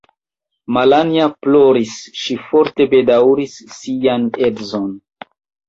Malanja ploris; ŝi forte bedaŭris sian edzon.